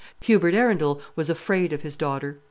Hubert Arundel was afraid of his daughter.